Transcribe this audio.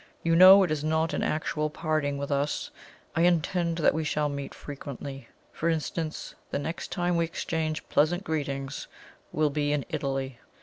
You know, it is not an actual parting with us I intend that we shall meet frequently. For instance, the next time we exchange pleasant greetings will be in Italy."